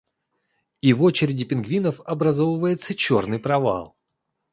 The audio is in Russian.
и в очереди пингвинов образовывается черный провал